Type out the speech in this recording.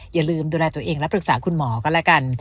อย่าลืมดูแลตัวเองและปรึกษาคุณหมอก็แล้วกัน